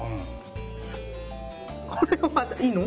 これをまたいいの？